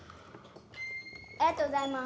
ありがとうございます。